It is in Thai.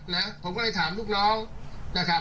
นะผมก็เลยถามลูกน้องนะครับ